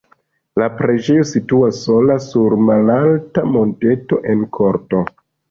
La preĝejo situas sola sur malalta monteto en korto.